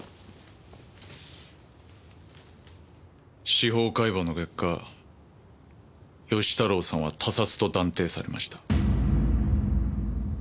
司法解剖の結果義太郎さんは他殺と断定されました。